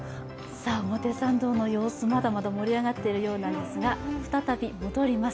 まだまだ盛り上がっているようなんですが、再び戻ります。